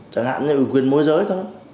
chẳng hạn như ủy quyền môi giới thôi